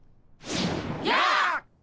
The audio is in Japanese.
やっ！